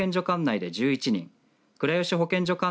管内で１１人倉吉保健所